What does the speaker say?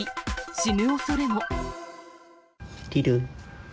死ぬおそれも。